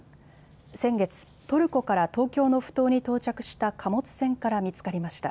先月、トルコから東京のふ頭に到着した貨物船から見つかりました。